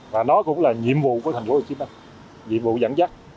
và nó cũng là nhiệm vụ của tp hcm nhiệm vụ dẫn dắt